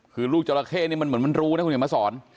คือลูกจราเข้นี่มันเหมือนมันรู้นะคุณเห็นมาสอน